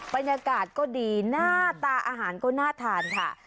บรรยากาศก็ดีหน้าตาอาหารก็น่าทานค่ะ